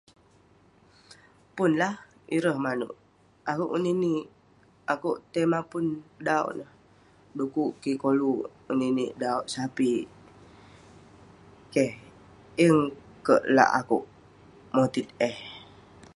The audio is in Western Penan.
Pun lah ireh manuek akuek ngeninek akuek tai mapun dauk neh dukuk kik koluek ngeninek dauk sapit keh yeng kek lak akuek moteik eh